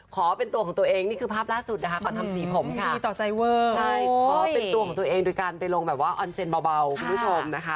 ขอเป็นตัวของตัวเองนี่คือภาพล่าสุดนะคะก่อนทำสีผมค่ะดีต่อใจเวอร์ใช่ขอเป็นตัวของตัวเองโดยการไปลงแบบว่าออนเซ็นเบาคุณผู้ชมนะคะ